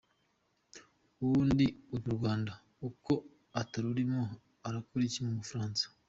Ubundi urwo Rwanda ko utarurimo urakora iki mu Bufaransa?